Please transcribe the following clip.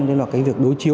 đó là cái việc đối chiếu